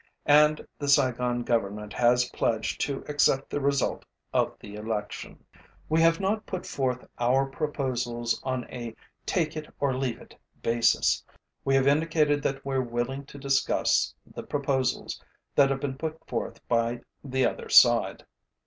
And the Saigon government has pledged to accept the result of the election. We have not put forth our proposals on a take it or leave it basis. We have indicated that weÆre willing to discuss the proposals that have been put forth by the other side.